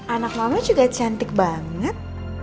anak mama juga cantik banget